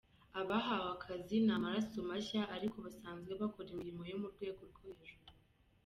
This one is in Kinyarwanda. Abahawe akazi ni amaraso mashya ariko basanzwe bakora imirimo yo mu rwego rwo hejuru .